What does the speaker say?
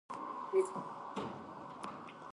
دا خبر د لوبې په اړه په اخبار کې خپور شو.